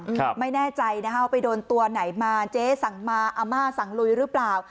ครับไม่แน่ใจนะฮะว่าไปโดนตัวไหนมาเจ๊สั่งมาอาม่าสั่งลุยหรือเปล่า